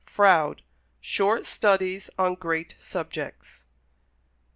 Froude: "Short Studies on Great Subjects."